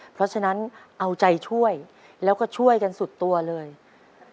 เพราะฉะนั้นเอาใจช่วยแล้วก็ช่วยกันสุดท้ายนะครับ